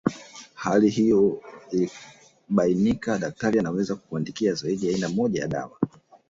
Hali hiyo ikibainika daktari anaweza kukuandikia zaidi ya aina moja ya dawa